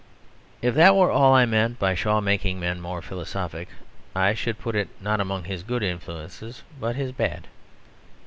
If that were all that I meant by Shaw making men more philosophic, I should put it not among his good influences but his bad.